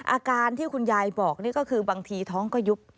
อาการที่คุณยายบอกนี่ก็คือบางทีท้องก็ยุบ